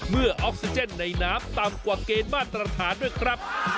เมื่อออกซิเจนในน้ำต่ำกว่าเกณฑ์มาตรฐานด้วยครับ